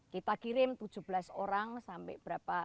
kita kirim tujuh belas orang sampai berapa